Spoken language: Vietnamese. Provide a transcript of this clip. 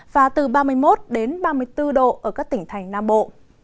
và từ ba mươi một đến ba mươi bốn độ ở các tỉnh thành nam bộ